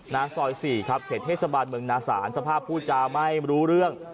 ซอย๔ครับเขตเทศบาลเมืองนาศาลสภาพผู้จาไม่รู้เรื่อง